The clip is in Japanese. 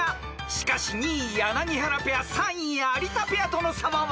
［しかし２位柳原ペア３位有田ペアとの差はわずか］